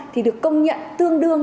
thì được công nhận tương đương